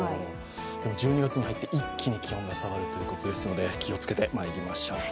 １２月に入って一気に気温が下がるということですので気をつけていきましょう。